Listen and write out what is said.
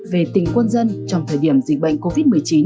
về tình quân dân trong thời điểm dịch bệnh covid một mươi chín